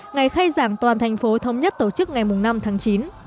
ngày khai giảng toàn thành phố thông nhất tổ chức ngày năm tháng chín